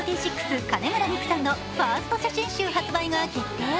金村美玖さんのファースト写真集発売が決定。